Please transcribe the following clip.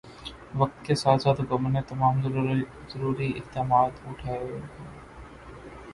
وقت کے ساتھ ساتھ حکومت نے تمام ضروری اقدامات اٹھائے ہیں او